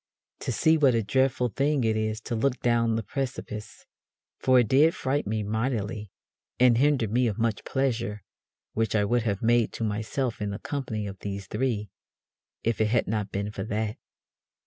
to see what a dreadfull thing it is to look down the precipices, for it did fright me mightily, and hinder me of much pleasure which I would have made to myself in the company of these three, if it had not been for that.